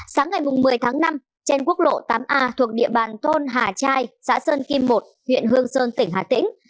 sáng ngày một mươi tháng năm trên quốc lộ tám a thuộc địa bàn thôn hà trai xã sơn kim một huyện hương sơn tỉnh hà tĩnh